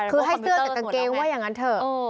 คือให้เสื้อแต่กางเกงว่าอย่างนั้นเถอะ